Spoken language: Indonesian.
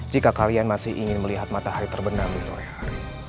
jika kalian masih ingin melihat matahari terbenam di sore hari